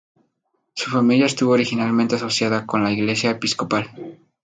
Su familia estuvo originalmente asociada con la Iglesia episcopal.